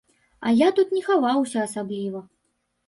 А я тут не хаваўся асабліва.